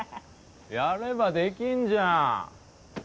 やればできんじゃん！